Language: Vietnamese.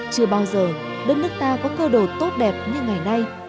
chưa bao giờ đất nước ta có cơ đồ tốt đẹp như ngày nay